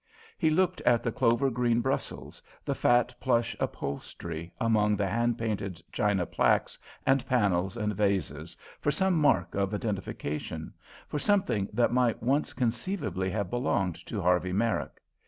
He looked at the clover green Brussels, the fat plush upholstery, among the hand painted china placques and panels and vases, for some mark of identification, for something that might once conceivably have belonged to Harvey Merrick.